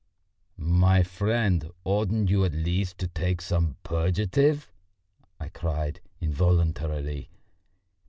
"My friend, oughtn't you at least to take some purgative?" I cried involuntarily.